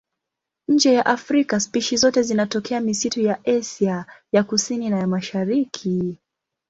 Nje ya Afrika spishi zote zinatokea misitu ya Asia ya Kusini na ya Mashariki.